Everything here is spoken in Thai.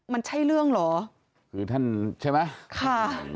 มันใช่เรื่องเหรอคือท่านใช่ไหมค่ะ